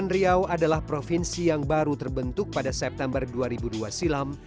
riau adalah provinsi yang baru terbentuk pada september dua ribu dua silam